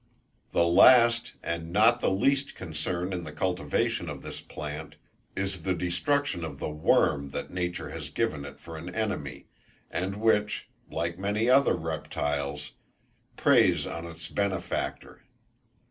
The last, and not the least concern in the cultivation of this plant, is the destruction of the worm that nature has given it for an enemy, and which, like many other reptiles, preys on its benefactor.